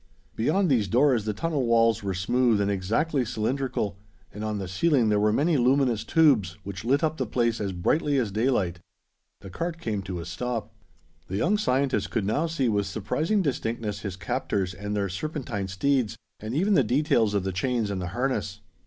Beyond these doors, the tunnel walls were smooth and exactly cylindrical, and on the ceiling there were many luminous tubes, which lit up the place as brightly as daylight. The cart came to a stop. The young scientist could now see with surprising distinctness his captors and their serpentine steeds, and even the details of the chains and the harness.